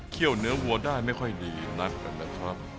เคี่ยวเนื้อวัวได้ไม่ค่อยดีนักกันนะครับ